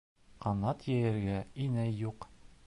Ҡанат йәйергә инәй юҡ.